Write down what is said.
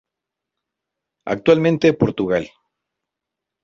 Actualmente, Portugal.